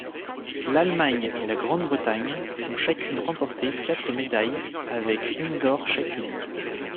L'Allemagne et la Grande-Bretagne ont chacune remportée quatre médailles avec une d'or chacune.